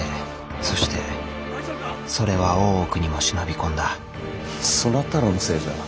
そしてそれは大奥にも忍び込んだそなたらのせいじゃ！